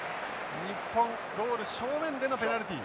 日本ゴール正面でのペナルティ。